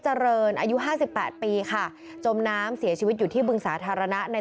เจริญอายุห้าสิบแปดปีค่ะจมน้ำเสียชีวิตอยู่ที่บึงสาธารณะใน